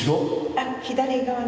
あっ左側に。